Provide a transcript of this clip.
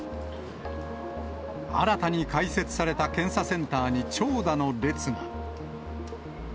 新たに開設された検査センターに長蛇の列が。